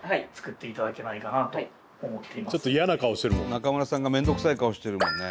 中村さんが面倒くさい顔してるもんね。